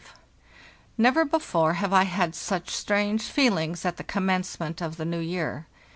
Never before have I had such strange feelings at the commencement of the new year.